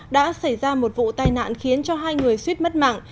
đã xảy ra một vụ tai nạn khiến cho hai người suýt mất mạng